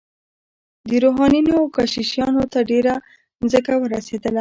روحانیونو او کشیشانو ته هم ډیره ځمکه ورسیدله.